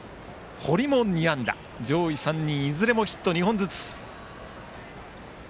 堀も２安打と、上位３人いずれもヒット２本ずつ。